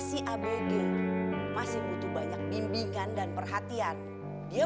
sayang kamu denger baik baik ya